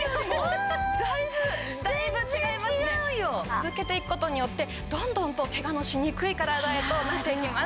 続けていく事によってどんどんとケガのしにくい体へとなっていきます。